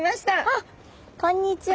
あこんにちは。